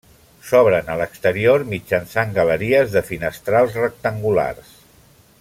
S'obren a l'exterior mitjançant galeries de finestrals rectangulars.